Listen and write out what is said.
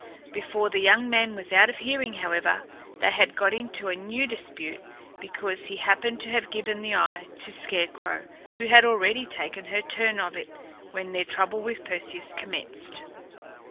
Before the young man was out of hearing, however, they had got into a new dispute, because he happened to have given the eye to Scarecrow, who had already taken her turn of it when their trouble with Perseus commenced.